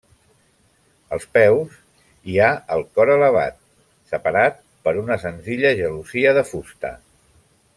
Als peus, hi ha el cor elevat separat per una senzilla gelosia de fusta.